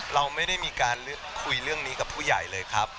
เราไม่ได้มีการคุยเรื่องนี้กับผู้ใหญ่เลยครับ